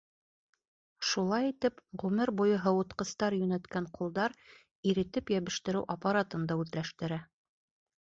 Шулай итеп, ғүмер буйы һыуытҡыстар йүнәткән ҡулдар иретеп йәбештереү аппаратын да үҙләштерә.